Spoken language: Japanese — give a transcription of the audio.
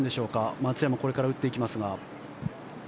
松山、これから打っていきますが。